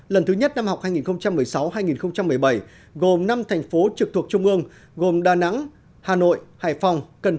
lần thứ nhất năm học hai nghìn một mươi sáu hai nghìn một mươi bảy gồm năm thành phố trực thuộc trung ương gồm đà nẵng hà nội hải phòng